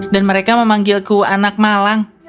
dan mereka memanggilku anak malang